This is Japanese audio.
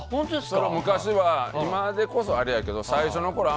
昔は今でこそあれやけど最初のころ